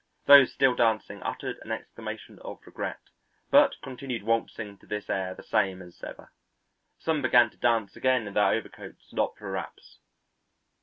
Those still dancing uttered an exclamation of regret, but continued waltzing to this air the same as ever. Some began to dance again in their overcoats and opera wraps.